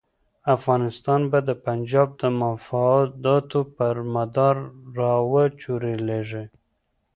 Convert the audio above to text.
افغانستان به د پنجاب د مفاداتو پر مدار را وچورلېږي.